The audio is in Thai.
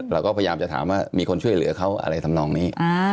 เราก็พยายามจะถามว่ามีคนช่วยเหลือเขาอะไรทำนองนี้